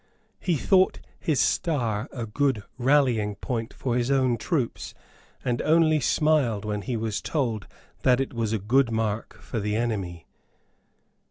He thought his star a good rallying point for his own troops, and only smiled when he was told that it was a good mark for the enemy.